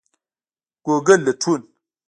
ګوګل لټون